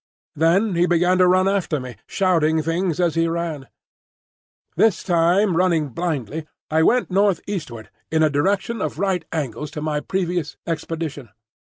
Then he began to run after me, shouting things as he ran. This time running blindly, I went northeastward in a direction at right angles to my previous expedition.